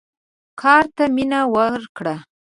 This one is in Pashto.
کار ته مینه ورکړه.